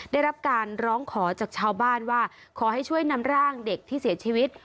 ได้รับการร้องขอจากชาวบ้านว่าขอให้ช่วยนำร่างเด็กที่เสียชีวิต